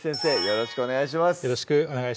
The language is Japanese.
よろしくお願いします